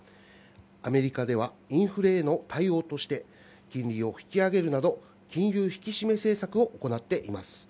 アメリカではインフレへの対応として金利を引き上げるなど金融引き締め政策を行っています。